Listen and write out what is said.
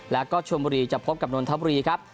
แล้วก็ชวนบุรีจะพบกับนนทบุรีครับ